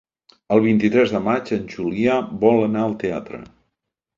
El vint-i-tres de maig en Julià vol anar al teatre.